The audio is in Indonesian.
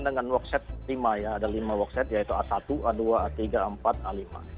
dengan wakset lima ya ada lima wakset yaitu a satu a dua a tiga empat a lima